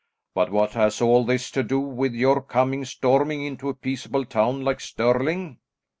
But what has all this to do with your coming storming into a peaceable town like Stirling?"